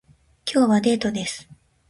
今日はデートです